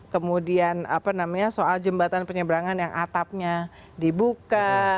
kemudian apa namanya soal jembatan penyeberangan yang atapnya dibuka